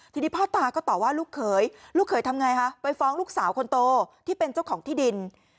ทีนี้พ่อตาก็ตอบว่าลูกเขยลูกเขยทำไงคะไปฟ้องลูกสาวคนโตที่เป็นเจ้าของที่ดิน